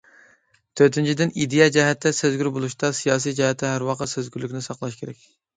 تۆتىنچىدىن، ئىدىيە جەھەتتە سەزگۈر بولۇشتا، سىياسىي جەھەتتە ھەر ۋاقىت سەزگۈرلۈكنى ساقلاش كېرەك.